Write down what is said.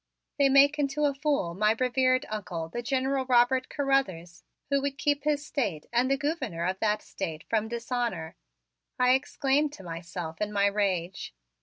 "They make into a fool my revered Uncle, the General Robert Carruthers, who would keep his State and the Gouverneur of that State from dishonor!" I exclaimed to myself in my rage.